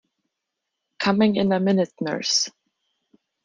Coming in a minute, nurse!